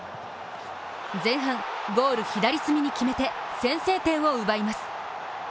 前半、ゴール左隅に決めて先制点を奪います。